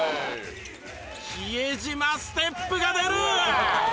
比江島ステップが出る！